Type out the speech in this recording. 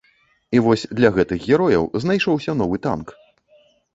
І вось для гэтых герояў знайшоўся новы танк.